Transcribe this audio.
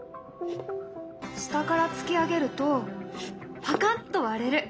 下から突き上げるとパカッと割れる。